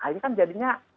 ini kan jadinya